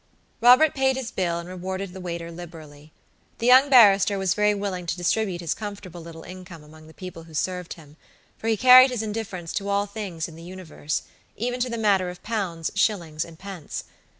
Robert paid his bill and rewarded the waiter liberally. The young barrister was very willing to distribute his comfortable little income among the people who served him, for he carried his indifference to all things in the universe, even to the matter of pounds, shillings and pence.